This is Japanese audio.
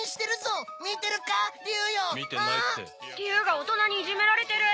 竜が大人にいじめられてる。